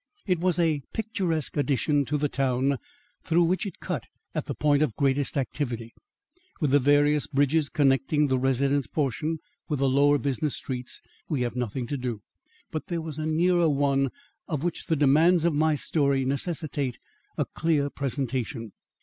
It was a picturesque addition to the town through which it cut at the point of greatest activity. With the various bridges connecting the residence portion with the lower business streets we have nothing to do. But there was a nearer one of which the demands of my story necessitate a clear presentation.